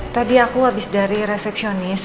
tadi aku habis dari resepsionis